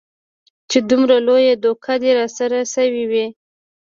چې دومره لويه دوکه دې راسره سوې وي.